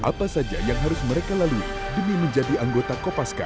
apa saja yang harus mereka lalui demi menjadi anggota kopaska